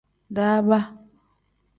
Daaba.